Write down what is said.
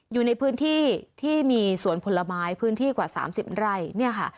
อยู่ในพื้นที่ที่มีสวนผลไม้พื้นที่กว่า๓๐ไร่เนี่ยค่ะ